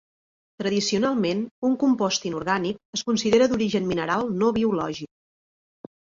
Tradicionalment un compost inorgànic es considera d'origen mineral no biològic.